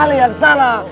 alih yang sana